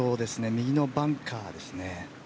右のバンカーですね。